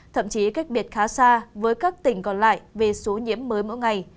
thậm chí cách biệt khá xa với các tỉnh còn lại về số nhiễm mới mỗi ngày